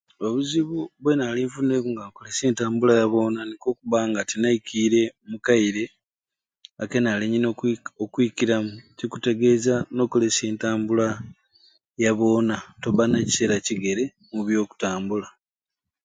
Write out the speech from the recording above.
Obuzibu bwenali nfunireku nga nkukolesya entambula ya boona nikwo kubba nga tinaikiire omu kaire akenaali nina okwi okwikiramu kikutegeeza n'okolesya entambula ya boona tobba na kiseera kigere mu byokutambula.